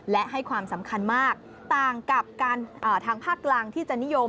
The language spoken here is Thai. และให้ความสำคัญมากต่างกับการทางภาคกลางที่จะนิยม